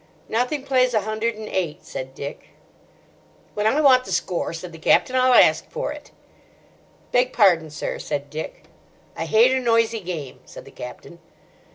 "Nothing plays a hundred and eight," said Dick. "When I want the score," said the Captain, "I'll ask for it." "Beg pardon, sir," said Dick. "I hate a noisy game," said the Captain.